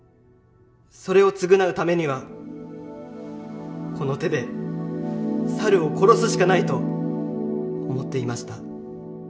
それを償うためにはこの手で猿を殺すしかないと思っていました。